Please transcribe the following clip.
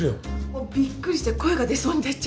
もうびっくりして声が出そうになっちゃいました。